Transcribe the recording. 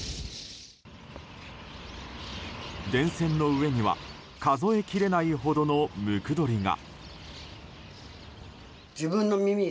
電線の上には数え切れないほどのムクドリが。